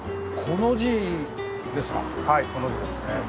コの字ですね。